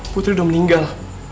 putri udah meninggal